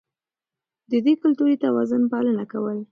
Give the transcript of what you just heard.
ده د کلتوري توازن پالنه کوله.